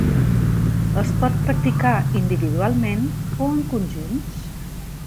Es pot practicar individualment o en conjunts.